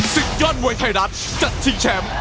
ศึกยอดมวยไทยรัฐจะชิงแชมป์